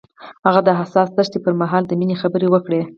هغه د حساس دښته پر مهال د مینې خبرې وکړې.